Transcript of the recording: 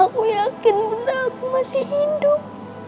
aku yakin benar aku masih induk